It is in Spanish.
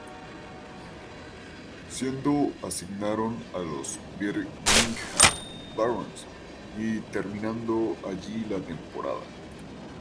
Siendo asignaron a los Birmingham Barons y terminando allí la temporada.